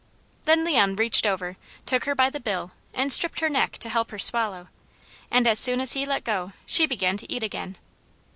Then Leon reached over, took her by the bill, and stripped her neck to help her swallow, and as soon as he let go, she began to eat again.